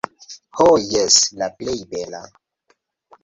Ho jes, la plej bela.